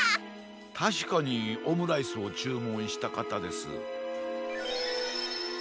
たしかにオムライスをちゅうもんしたかたです。